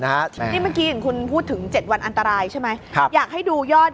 นี่เมื่อกี้คุณพูดถึง๗วันอันตรายใช่ไหม